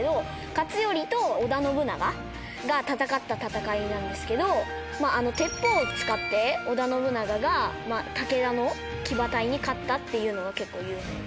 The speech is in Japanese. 勝頼と織田信長が戦った戦いなんですけど鉄砲を使って織田信長が武田の騎馬隊に勝ったっていうのが結構有名です。